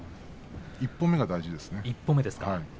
一歩目が大事ですね。